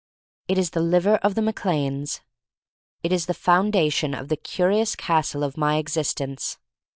It is the liver of the Mac Lanes. It is the foundation of the curious castle of my existence.